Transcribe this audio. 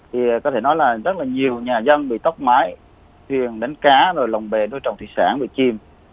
thì có thể nói là rất là nhiều nhà dân bị tóc mái thuyền đánh cá lồng bề trồng thị sản chim